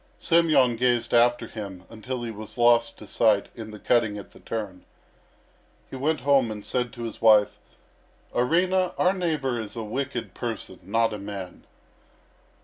Semyon gazed after him until he was lost to sight in the cutting at the turn. He went home and said to his wife: "Arina, our neighbour is a wicked person, not a man."